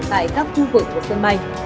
tại các khu vực của sân bay